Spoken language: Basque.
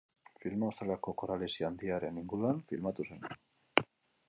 Filma Australiako Koral Hesi Handiaren inguruan filmatu zen.